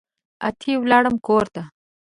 اتي ولاړم کورته